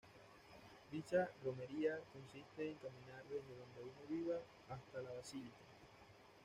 Dicha romería consiste en caminar desde donde uno viva, hasta la Basílica.